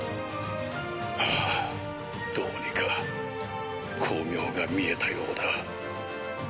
ハァどうにか光明が見えたようだ。